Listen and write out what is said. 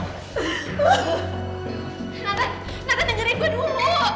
nathan nathan dengerin gue dulu